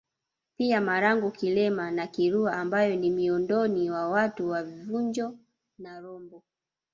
Pia Marangu Kilema na Kirua ambayo ni miondoni wa watu wa vunjo na rombo